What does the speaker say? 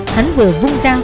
hắn vừa vung dao